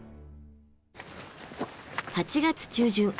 ８月中旬。